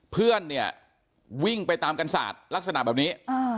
เพื่อนเนี่ยวิ่งไปตามกันศาสตร์ลักษณะแบบนี้